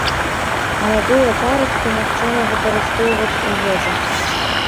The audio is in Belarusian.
Маладыя парасткі магчыма выкарыстоўваць у ежу.